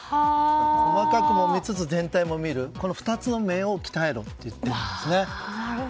細かくも見つつ全体も見るこの２つの目を鍛えろと言ってるんですね。